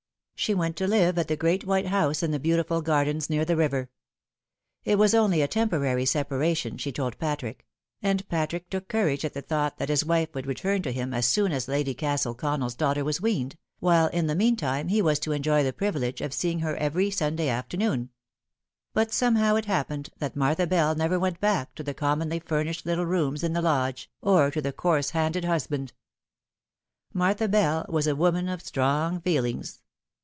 She went to live at the great white house in the beautiful gardens near the river. It was only a temporary separation, she told Patrick ; and Patrick took courage at the thought that his wife would return to him as soon as Lady Castle Council's daughter was weaned, while in the meantime he was to enjoy the privilege of seeing her every Sunday afternoon ; but somehow it happened that Martha Bell never went back to the commonly. furnished little rooms in the lodge, or to the coarse handed husband. Martha Bell was a woman of strong feelings.